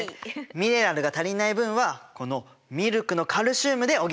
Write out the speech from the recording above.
ミネラルが足りない分はこのミルクのカルシウムで補うことにするよ。